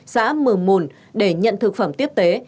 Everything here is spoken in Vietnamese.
xã mờ mùn để nhận thực phẩm tiếp tế